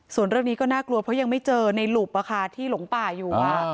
ส่วนเรื่องนี้ก็น่ากลัวเพราะยังไม่เจอในหลุบที่หลงป่าอยู่